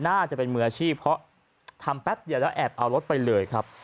น่าจะเป็นมืออาชีพเพราะทำแป๊บเดียวแล้วแอบเอารถไปเลยครับ